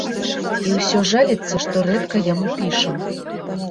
І ўсё жаліцца, што рэдка яму пішам.